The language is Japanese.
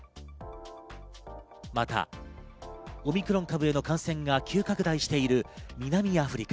またオミクロン株への感染が急拡大している南アフリカ。